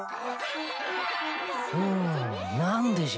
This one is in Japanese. うん何でじゃ